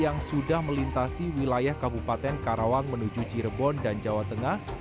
yang sudah melintasi wilayah kabupaten karawang menuju cirebon dan jawa tengah